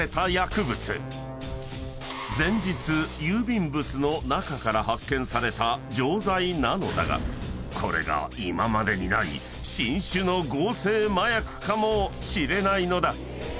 ［前日郵便物の中から発見された錠剤なのだがこれが今までにない新種の合成麻薬かもしれないのだ］